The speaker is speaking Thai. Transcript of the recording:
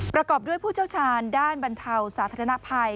ประกอบด้วยผู้เชี่ยวชาญด้านบรรเทาสาธารณภัย